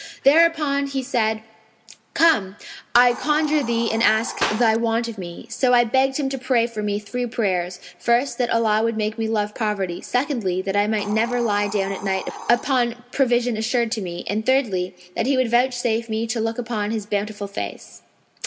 Thereupon he said, 'Come, I conjure thee and ask thy want of me.' So I begged him to pray for me three prayers; first, that Allah would make me love poverty; secondly, that I might never lie down at night upon provision assured to me; and thirdly, that He would vouchsafe me to look upon His bountiful Face.